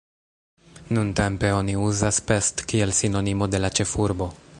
Nuntempe oni uzas "Pest", kiel sinonimo de la ĉefurbo.